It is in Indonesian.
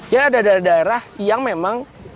ya ada daerah daerah yang memang